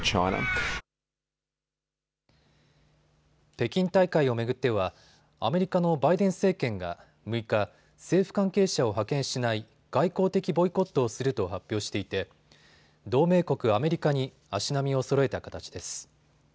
北京大会を巡ってはアメリカのバイデン政権が６日、政府関係者を派遣しない外交的ボイコットをすると発表していて同盟国アメリカに足並みをそろえた形です。